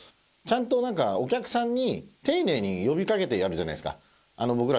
ちゃんとなんかお客さんに丁寧に呼び掛けてやるじゃないですか。